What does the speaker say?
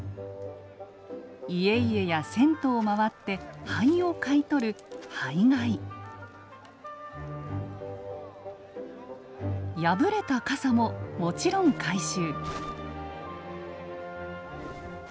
家々や銭湯を回って灰を買い取る破れた傘ももちろん回収。